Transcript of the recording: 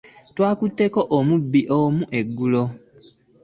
Twakuteko omubbi omu eggulo.